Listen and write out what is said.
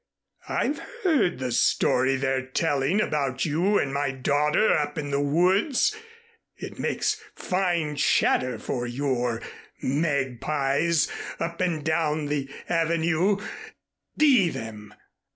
I've heard the story they're telling about you and my daughter up in the woods. It makes fine chatter for your magpies up and down the Avenue. D them!